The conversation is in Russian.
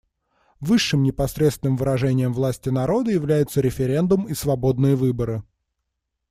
Высшим непосредственным выражением власти народа являются референдум и свободные выборы.